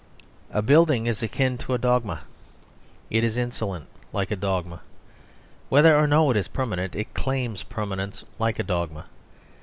A building is akin to dogma; it is insolent, like a dogma. Whether or no it is permanent, it claims permanence like a dogma.